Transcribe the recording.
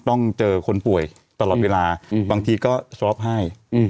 ต้องเจอคนป่วยตลอดเวลาบางทีก็สวอปให้